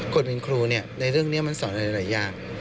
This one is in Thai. คนเป็นครูในเรื่องนี้มันสอนหลายอย่าง